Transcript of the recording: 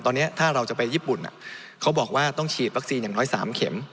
ตอนนี้ถ้าเราจะไปญี่ปุ่นเขาบอกว่าต้องฉีดวัคซีนอย่างน้อย๓เข็ม